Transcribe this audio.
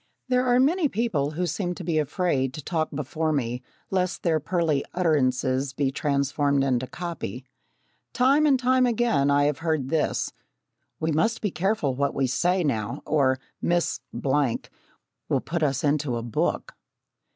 There are many people who seem to be afraid to talk before me lest their pearly utterances be transformed into copy. Time and time again I have heard this: "We must be very careful what we say now, or Miss will put us into a book!"